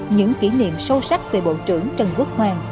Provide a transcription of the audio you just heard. những kỷ niệm sâu sắc về bộ trưởng trần quốc hoàng